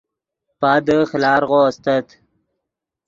پادے خیلارغو استت